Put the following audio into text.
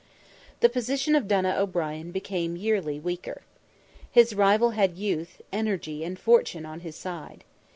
The position of Donogh O'Brien became yearly weaker. His rival had youth, energy, and fortune on his side.